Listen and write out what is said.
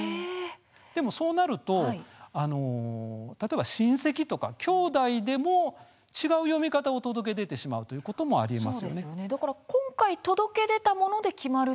でもそうなると例えば親戚とかきょうだいでも違う読み方を届けていってしまうということもあります。